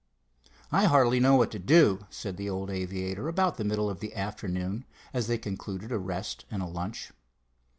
"I hardly know what to do," said the old aviator, about the middle of the afternoon, as they concluded a rest and a lunch.